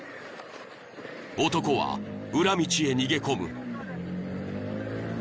［男は裏道へ逃げ込む］